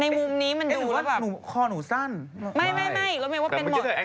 ในมุมนี้มันดูแล้วแบบไม่รู้ไม่ว่าเป็นหมดจริง